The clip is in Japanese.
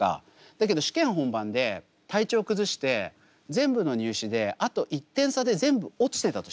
だけど試験本番で体調崩して全部の入試であと１点差で全部落ちてたとします。